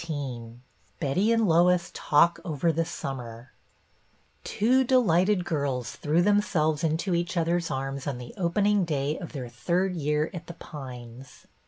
17 XIX BETTY AND LOIS TALK OVER THE SUMMER T WO delighted girls threw themselves into each other's arms on the open ing day of their third year at The Pines.